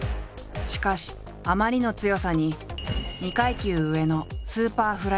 しかしあまりの強さに２階級上のスーパーフライ級へ。